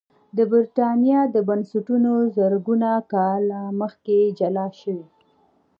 د برېټانیا بنسټونه زرګونه کاله مخکې جلا شوي